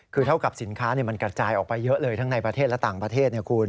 คือเท่ากับสินค้ามันกระจายออกไปเยอะเลยทั้งในประเทศและต่างประเทศคุณ